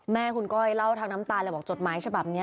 แม่คุณก้อยเล่าทางน้ำตาเลยบอกจดหมายฉบับนี้